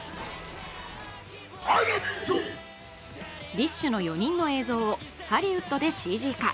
ＤＩＳＨ／／の４人の映像をハリウッドでＣＧ化。